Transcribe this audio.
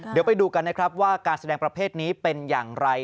เดี๋ยวไปดูกันนะครับว่าการแสดงประเภทนี้เป็นอย่างไร